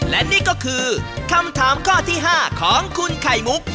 และนี่ก็คือคำถามข้อที่๕ของคุณไข่มุก